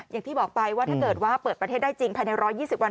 อย่างที่บอกไปว่าถ้าเกิดว่าเปิดประเทศได้จริงภายใน๑๒๐วัน